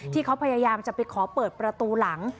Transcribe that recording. ที่เขาพยายามจะไปขอเปิดประตูหลัง